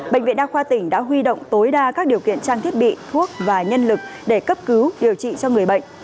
bệnh viện đa khoa tỉnh đã huy động tối đa các điều kiện trang thiết bị thuốc và nhân lực để cấp cứu điều trị cho người bệnh